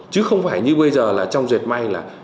chứ không phải như bây giờ trong dệt may